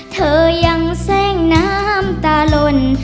เธอยังแทร่งน้ำตาลน